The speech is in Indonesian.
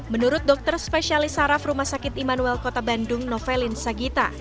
menurut dokter spesialis saraf rumah sakit immanuel kota bandung novelin sagita